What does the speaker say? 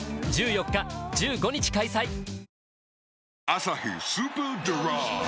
「アサヒスーパードライ」